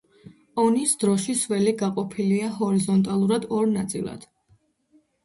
ონის დროშის ველი გაყოფილია ჰორიზონტალურად ორ ნაწილად.